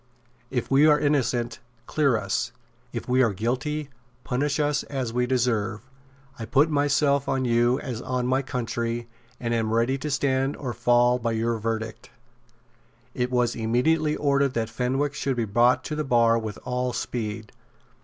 "If we are innocent, clear us. If we are guilty, punish us as we deserve. I put myself on you as on my country, and am ready to stand or fall by your verdict." It was immediately ordered that Fenwick should be brought to the bar with all speed.